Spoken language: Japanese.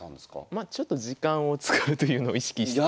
まあちょっと時間を使うというのを意識して。